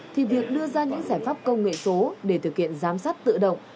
thì việc đưa ra những giải pháp công nghệ số để thực hiện giám sát tự động